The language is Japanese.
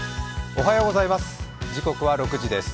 おはようございます。